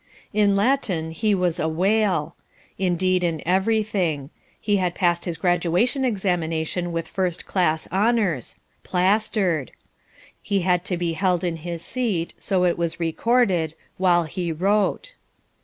In Latin he was "a whale." Indeed in everything. He had passed his graduation examination with first class honours; "plastered." He had to be held in his seat, so it was recorded, while he wrote.